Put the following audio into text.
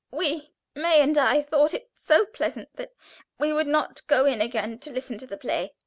"We May and I thought it so pleasant that we would not go in again to listen to the play."